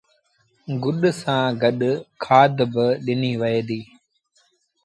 گُڏ سآݩ گڏ کآڌ با ڏنيٚ وهي ديٚ